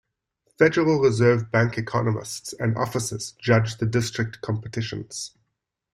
Federal Reserve Bank economists and officers judge the district competitions.